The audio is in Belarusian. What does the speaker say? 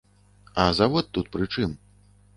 А завод тут пры чым?